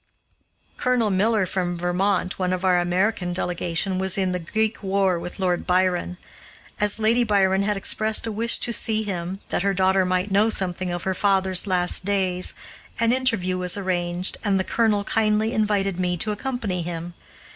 Colonel Miller from Vermont, one of our American delegation, was in the Greek war with Lord Byron. As Lady Byron had expressed a wish to see him, that her daughter might know something of her father's last days, an interview was arranged, and the colonel kindly invited me to accompany him.